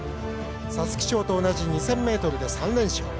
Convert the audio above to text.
皐月賞と同じ２０００ｍで３連勝。